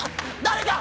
誰か！